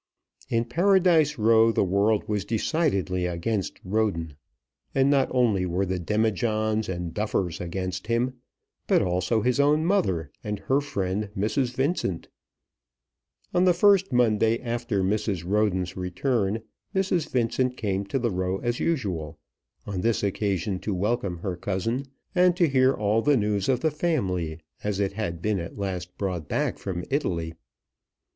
In Paradise Row the world was decidedly against Roden; and not only were the Demijohns and Duffers against him, but also his own mother and her friend Mrs. Vincent. On the first Monday after Mrs. Roden's return Mrs. Vincent came to the Row as usual, on this occasion to welcome her cousin, and to hear all the news of the family as it had been at last brought back from Italy.